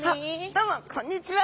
どうもこんにちは！